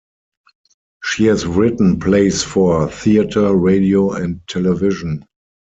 She has written plays for theatre, radio, and television.